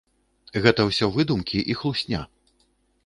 Гэта ўсё выдумкі і хлусня.